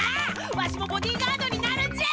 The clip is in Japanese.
わしもボディーガードになるんじゃ！